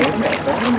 gimana masih takut